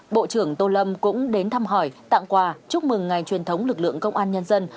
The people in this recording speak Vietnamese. bộ trưởng tô lâm cũng đến thăm hỏi tặng quà chúc mừng ngày truyền thống lực lượng công an nhân dân